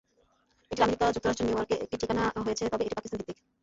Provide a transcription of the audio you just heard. এটির আমেরিকা যুক্তরাষ্ট্রের নিউইয়র্কে একটি ঠিকানা রয়েছে তবে এটি পাকিস্তান ভিত্তিক।